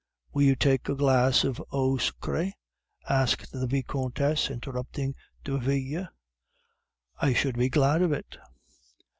"Will you take a glass of eau sucree?" asked the Vicomtesse, interrupting Derville. "I should be glad of it."